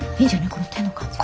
この手の感じが。